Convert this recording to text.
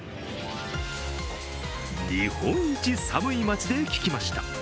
日本一寒い町で聞きました。